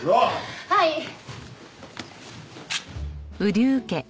はい！